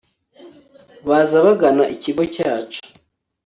baza bagana ikigo cyacu